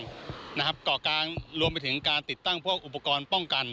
นะครับเกาะกลางรวมไปถึงการติดตั้งพวกอุปกรณ์ป้องกัน